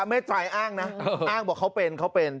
ไม่ใช่อ้างนะอ้างบอกเขาเป็น